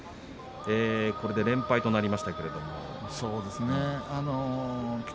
これで連敗となりましたけれども。